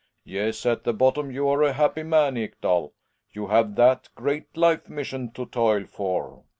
Yes, at the bottom you're a happy man, Ekdal; you have that great life mission to toil for Hjalmar.